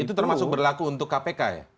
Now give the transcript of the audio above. itu termasuk berlaku untuk kpk ya